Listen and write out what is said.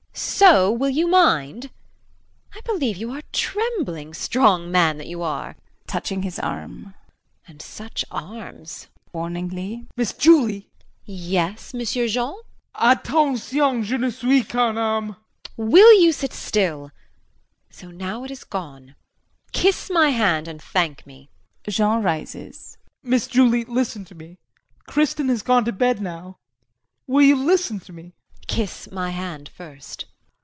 ] So will you mind? I believe you are trembling, strong man that you are. [Touching his arm.] And such arms! JEAN [Warningly.] Miss Julie! JULIE. Yes, Monsieur Jean! JEAN. Attention. Je ne suis qu'un homme! JULIE. Will you sit still! So, now it is gone! Kiss my hand and thank me! [Jean rises.] JEAN. Miss Julie, listen to me. Kristin has gone to bed now will you listen to me JULIE. Kiss my hand first.